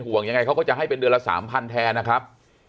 ยังไงเขาก็จะให้เป็นเดือนละ๓๐๐แทนนะครับ